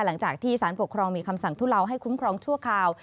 หลังจากที่สารปกครองมีคำสั่งทุเลาให้คุ้มครองชั่วคราว